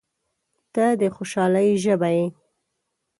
• ته د خوشحالۍ ژبه یې.